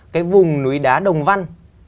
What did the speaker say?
cái vùng núi đá đồng văn